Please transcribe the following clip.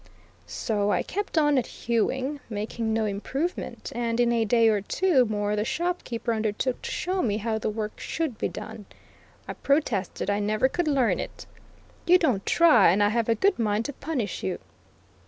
So I kept on at hewing, making no improvement, and in a day or two more the shopkeeper undertook to show me how the work should be done. I protested I never could learn it. "You don't try; and I have a good mind to punish you."